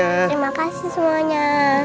terima kasih semuanya